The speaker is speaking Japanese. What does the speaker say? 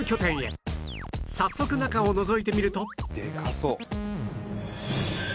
早速中をのぞいてみるとでかそう。